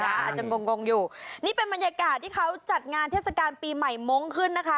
อาจจะงงงอยู่นี่เป็นบรรยากาศที่เขาจัดงานเทศกาลปีใหม่มงค์ขึ้นนะคะ